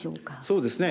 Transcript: そうですね。